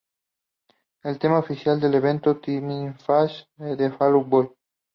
El tema oficial del evento fue ""The Mighty Fall"" de Fall Out Boy.